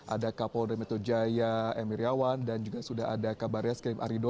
ada kapolri metojaya emir yawan dan juga sudah ada kabar yaskrim aridono